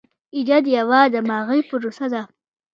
ایجاد یوه دماغي پروسه ده.